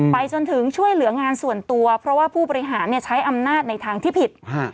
ไปจนถึงช่วยเหลืองานส่วนตัวเพราะว่าผู้บริหารใช้อำนาจในทางที่ผิด